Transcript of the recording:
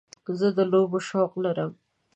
زه د لوبو شوق لرم.